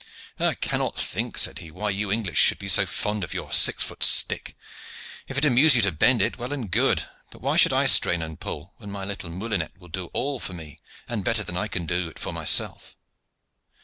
"I cannot think," said he, "why you English should be so fond of your six foot stick. If it amuse you to bend it, well and good; but why should I strain and pull, when my little moulinet will do all for me, and better than I can do it for myself?"